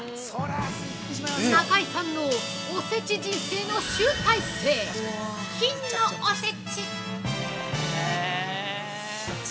◆中井さんのおせち人生の集大成金のおせち。